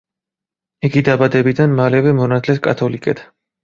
იგი დაბადებიდან მალევე მონათლეს კათოლიკედ.